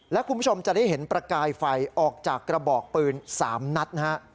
และคุณผู้ชมจะได้เห็นประกายไฟออกจากกระบอกปืน๓นัดนะฮะ